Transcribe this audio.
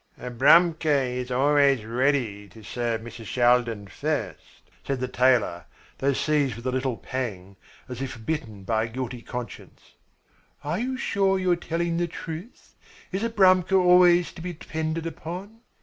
"Abramka is always ready to serve Mrs. Shaldin first," said the tailor, though seized with a little pang, as if bitten by a guilty conscience. "Are you sure you are telling the truth? Is Abramka always to be depended upon?